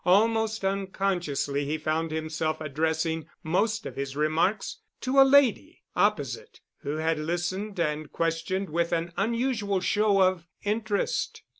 Almost unconsciously he found himself addressing most of his remarks to a lady opposite, who had listened and questioned with an unusual show of interest.